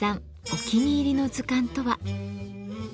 お気に入りの図鑑とは？